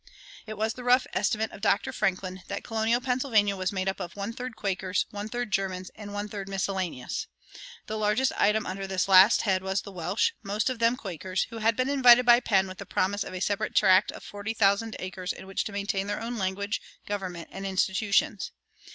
It was the rough estimate of Dr. Franklin that colonial Pennsylvania was made up of one third Quakers, one third Germans, and one third miscellaneous. The largest item under this last head was the Welsh, most of them Quakers, who had been invited by Penn with the promise of a separate tract of forty thousand acres in which to maintain their own language, government, and institutions.